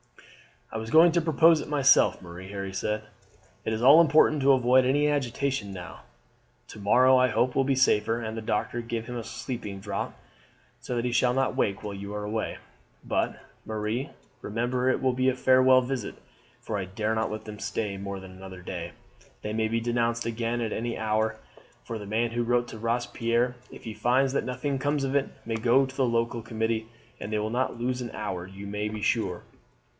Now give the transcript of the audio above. "I was going to propose it myself, Marie," Harry said. "It is all important to avoid any agitation now. To morrow, I hope, it will be safer, and the doctor will give him a sleeping draught, so that he shall not wake while you are away. But, Marie, remember it will be a farewell visit, for I dare not let them stay more than another day. They may be denounced again at any hour, for the man who wrote to Robespierre, if he finds that nothing comes of it, may go to the local committee, and they will not lose an hour, you may be sure."